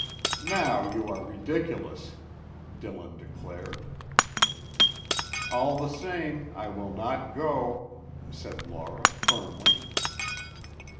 "Now you are ridiculous!" Dillon declared. "All the same, I will not go," said Laura firmly.